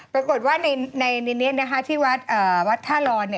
ปรากฏว่าในนี้นะฮะที่วัดท่าลอน